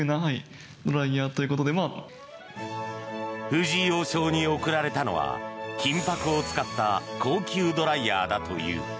藤井王将に贈られたのは金箔を使った高級ドライヤーだという。